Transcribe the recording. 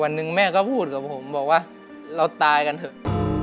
หนึ่งแม่ก็พูดกับผมบอกว่าเราตายกันเถอะ